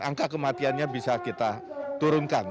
angka kematiannya bisa kita turunkan